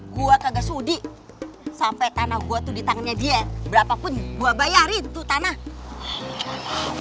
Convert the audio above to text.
gua kagak sudi sampai tanah gua tuh di tangannya dia berapa pun gua bayarin tuh tanah